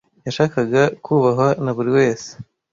Yashakaga kubahwa na buri wese.